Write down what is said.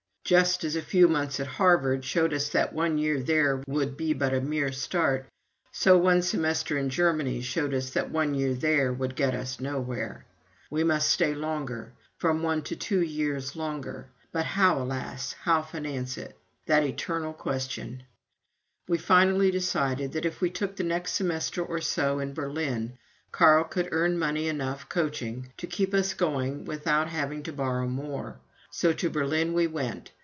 Just as a few months at Harvard showed us that one year there would be but a mere start, so one semester in Germany showed us that one year there would get us nowhere. We must stay longer, from one to two years longer, but how, alas, how finance it? That eternal question! We finally decided that, if we took the next semester or so in Berlin, Carl could earn money enough coaching to keep us going without having to borrow more. So to Berlin we went.